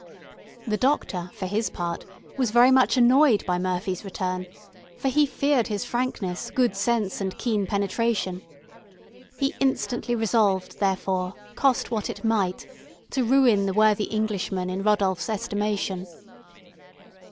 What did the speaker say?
The doctor, for his part, was very much annoyed by Murphy's return, for he feared his frankness, good sense, and keen penetration. He instantly resolved, therefore, cost what it might, to ruin the worthy Englishman in Rodolph's estimation.